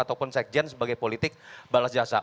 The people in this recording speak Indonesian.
ataupun sekjen sebagai politik balas jasa